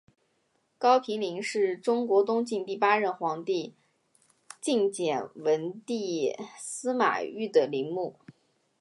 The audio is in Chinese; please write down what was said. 高平陵是中国东晋第八任皇帝晋简文帝司马昱的陵墓。